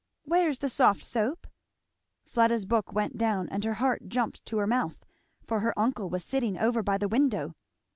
"Where's the soft soap?" Fleda's book went down and her heart jumped to her mouth, for her uncle was sitting over by the window.